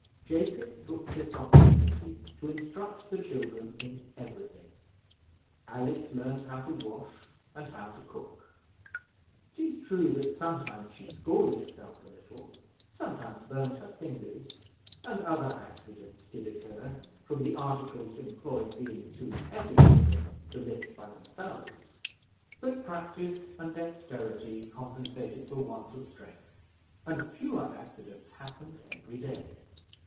Jacob took this opportunity to instruct the children in every thing. Alice learned how to wash and how to cook. It is true, that sometimes she scalded herself a little, sometimes burned her fingers; and other accidents did occur, from the articles employed being too heavy for them to lift by themselves; but practice and dexterity compensated for want of strength, and fewer accidents happened every day.